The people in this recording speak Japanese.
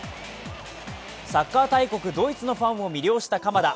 サッカー大国ドイツのファンを魅了した鎌田。